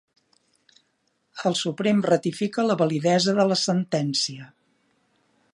El Suprem ratifica la validesa de la sentència